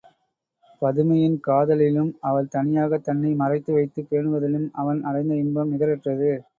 பதுமையின் காதலிலும், அவள் தனியாகத் தன்னை மறைத்து வைத்துப் பேணுவதிலும் அவன் அடைந்த இன்பம் நிகரற்றது.